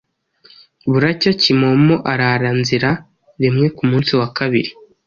Buracya Kimomo arara nzira rimwe ku munsi wa kabiri